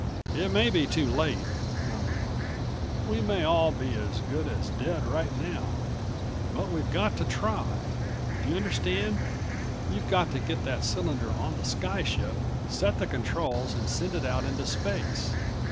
"It may be too late," I went on. "We may all be as good as dead right now. But we've got to try. Do you understand? You've got to get that cylinder on the sky ship, set the controls and send it out into space.